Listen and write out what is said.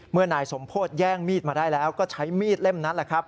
นายสมโพธิแย่งมีดมาได้แล้วก็ใช้มีดเล่มนั้นแหละครับ